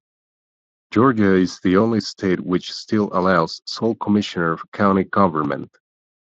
Georgia is the only state which still allows sole commissioner county government.